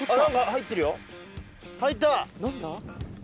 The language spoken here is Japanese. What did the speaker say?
入った！